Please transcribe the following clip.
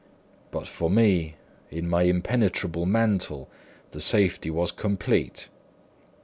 But for me, in my impenetrable mantle, the safety was complete.